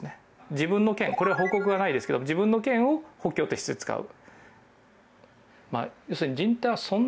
自分の腱は報告はないですが自分の腱を補強として使う。